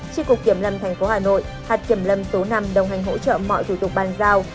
trị cục kiểm lâm tp hà nội hạt kiểm lâm số năm đồng hành hỗ trợ mọi thủ tục bàn giao